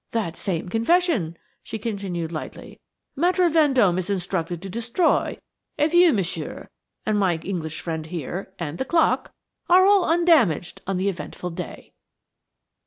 "That same confession," she continued lightly, "Maître Vendôme is instructed to destroy if you, Monsieur, and my English friend here, and the clock, are all undamaged on the eventful day."